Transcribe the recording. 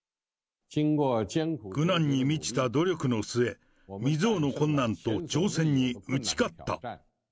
苦難に満ちた努力の末、未曽有の困難と挑戦に打ち勝った。